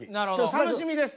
楽しみです。